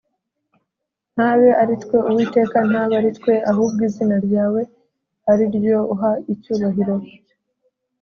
ntabe ari twe, uwiteka ntabe ari twe, ahubwo izina ryawe ari ryo uha icyubahiro,